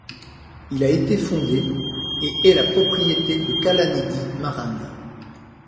Il a été fondé et est la propriété de Kalanidhi Maran.